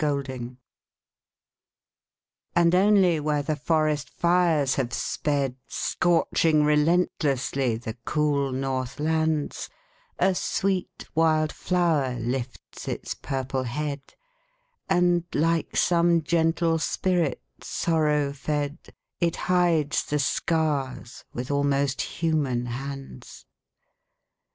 FIRE FLOWERS And only where the forest fires have sped, Scorching relentlessly the cool north lands, A sweet wild flower lifts its purple head, And, like some gentle spirit sorrow fed, It hides the scars with almost human hands.